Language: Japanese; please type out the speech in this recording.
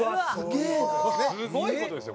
すごい事ですよ